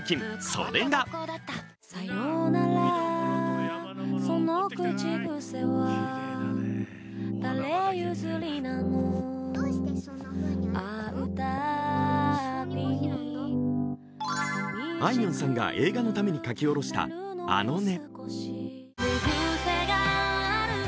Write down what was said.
それがあいみょんさんが映画のために書き下ろした「あのね」。